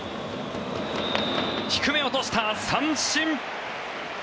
低め、落とした三振！